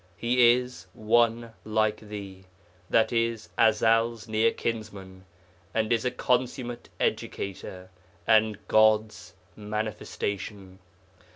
He is 'one like thee,' i.e. Ezel's near kinsman, and is a consummate educator, and God's Manifestation.